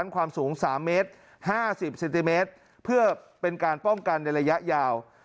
ความสูง๓เมตร๕๐เซนติเมตรเพื่อเป็นการป้องกันในระยะยาว